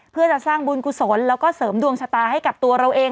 เพื่อจะสร้างบุญกุศลแล้วก็เสริมดวงชะตาให้กับตัวเราเอง